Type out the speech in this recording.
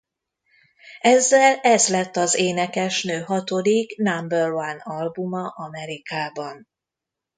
Ezzel ez lett az énekesnő hatodik number-one albuma Amerikában.